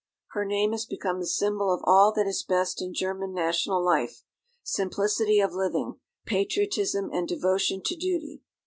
Her name has become the symbol of all that is best in German national life, simplicity of living, patriotism and devotion to duty.